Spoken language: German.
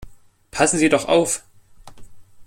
Passen Sie doch auf!